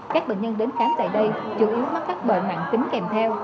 các bệnh nhân đến khám tại đây chủ yếu mắc các bệnh mặn kính kèm theo